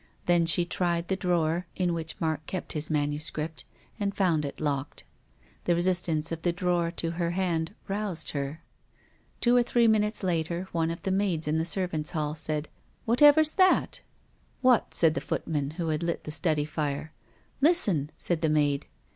Then she tried the drawer in which Mark kept his manuscript and found it locked. The resistance of the drawer to her hand roused her. Two or three minutes later one of the maids in the servant's hall said, " Whatever's that ?"" What .''" said the footman who had lit the study fire. " Listen !" said the maid.